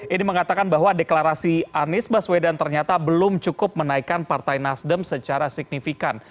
ini mengatakan bahwa deklarasi anies baswedan ternyata belum cukup menaikkan partai nasdem secara signifikan